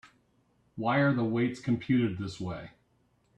Why are the weights computed this way?